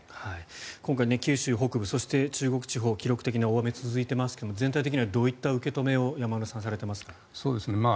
今回、九州北部そして中国地方記録的な大雨が続いていますが全体的にはどういった受け止めをされていますか？